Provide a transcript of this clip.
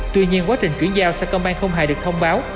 tuy nhiên quá trình chuyển giao sa công bang không hề được thông báo